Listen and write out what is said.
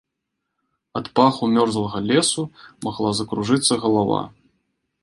Ад паху мёрзлага лесу магла закружыцца галава.